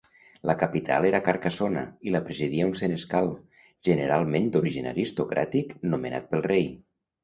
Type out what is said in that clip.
La capital era Carcassona i la presidia un senescal, generalment d'origen aristocràtic, nomenat pel rei.